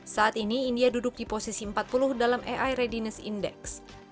saat ini india duduk di posisi empat puluh dalam ai readiness index